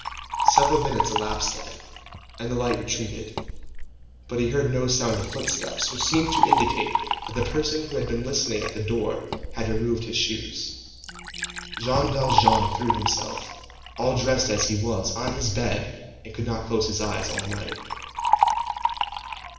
Several minutes elapsed thus, and the light retreated. But he heard no sound of footsteps, which seemed to indicate that the person who had been listening at the door had removed his shoes. Jean Valjean threw himself, all dressed as he was, on his bed, and could not close his eyes all night.